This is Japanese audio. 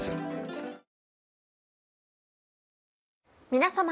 皆様。